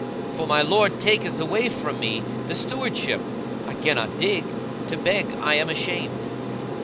for my lord taketh away from me the stewardship: I cannot dig; to beg I am ashamed.